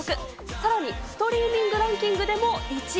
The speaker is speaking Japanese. さらにストリーミングランキングでも１位。